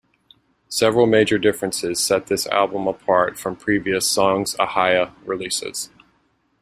Several major differences set this album apart from previous Songs: Ohia releases.